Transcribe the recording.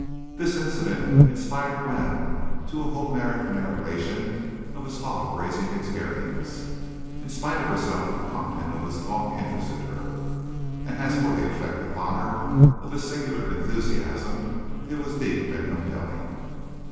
This incident inspired Glenn to a Homeric narration of his hog raising experience. In spite of herself the content of his talk interested her. And as for the effect upon her of his singular enthusiasm, it was deep and compelling.